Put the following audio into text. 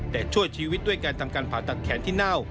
แต่ช่วยชีวิตด้วยการทำการผ่าตัดแขนที่เน่า